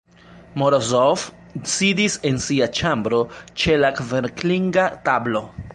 Morozov sidis en sia ĉambro ĉe la kverkligna tablo.